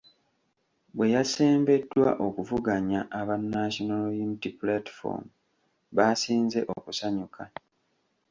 Bwe yasembeddwa okuvuganya aba National Unity Platform baasinze okusanyuka .